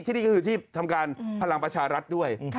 ที่นี่ก็คือที่ทำการพลังประชารัฐด้วย